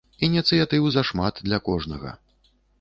Ініцыятыў зашмат для кожнага.